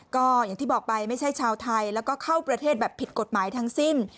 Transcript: ก็อย่างที่บอกไปไม่ใช่ชาวไทยแล้วก็เข้าประเทศแบบผิดกฎหมายทั้งสิ้น